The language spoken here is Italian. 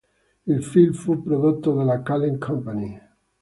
Il film fu prodotto dalla Kalem Company.